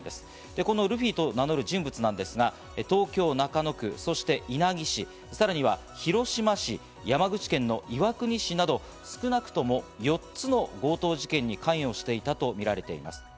このルフィと名乗る人物なんですが、東京・中野区、稲城市、広島市、山口県の岩国市など少なくとも４つの強盗事件に関与していたとみられています。